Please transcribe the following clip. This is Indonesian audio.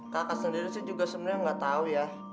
kak asuhan sendiri sih juga sebenarnya nggak tahu ya